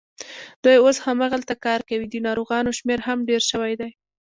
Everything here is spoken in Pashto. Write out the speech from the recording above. دوی اوس هماغلته کار کوي، د ناروغانو شمېر هم ډېر شوی دی.